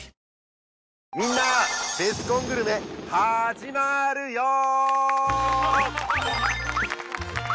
今回はみんなベスコングルメ始まーるよー！